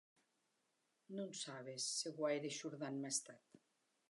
Non sabes se guaire shordant m'a estat.